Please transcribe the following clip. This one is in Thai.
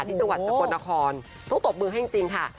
จังหวัดสกลนครต้องตบมือให้จริงค่ะ